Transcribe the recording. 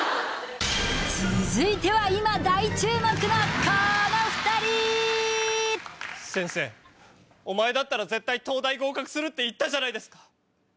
続いては先生お前だったら絶対東大合格するって言ったじゃないですか。